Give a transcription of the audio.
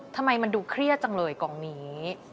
ทำไมมันดูเครียดจังเลยกองนี้